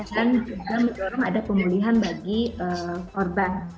dan juga ada pemulihan bagi korban